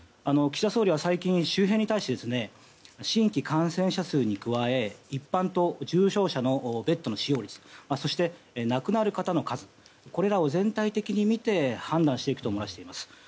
岸田総理は最近、周辺に対して新規感染者数に加え一般と重症者のベッドの使用率亡くなる方の数などこれらを全体的に見て判断していくとみています。